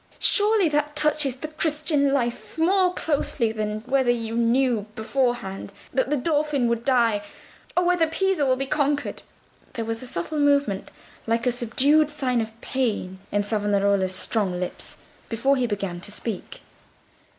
Surely that touches the Christian life more closely than whether you knew beforehand that the Dauphin would die, or whether Pisa will be conquered." There was a subtle movement, like a subdued sign of pain, in Savonarola's strong lips, before he began to speak.